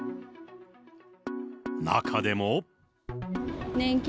中でも。